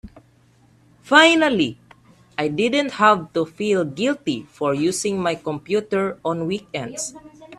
Finally I didn't have to feel guilty for using my computer on weekends.